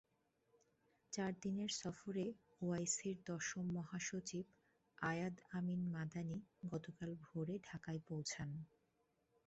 চার দিনের সফরে ওআইসির দশম মহাসচিব আয়াদ আমিন মাদানি গতকাল ভোরে ঢাকায় পৌঁছান।